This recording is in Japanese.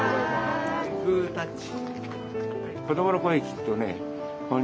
グータッチ。